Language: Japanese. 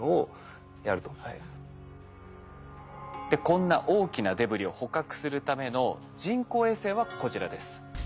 こんな大きなデブリを捕獲するための人工衛星はこちらです。